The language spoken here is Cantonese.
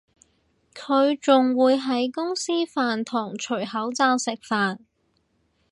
佢仲會喺公司飯堂除罩食飯